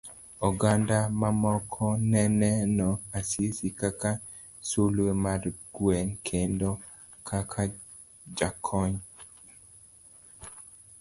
Oganda mamoko neneno Asisi kaka sulwe mar gweng kendo kaka jakony.